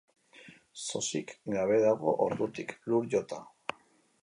Sosik gabe dago ordutik, lur jota.